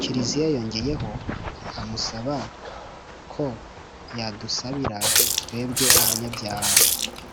kiliziya yongeyeho, amusaba ko yadusabira twebwe abanyabyaha: